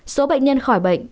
số bệnh nhân khỏi bệnh